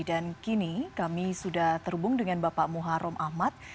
dan kini kami sudah terhubung dengan bapak muharrem ahmad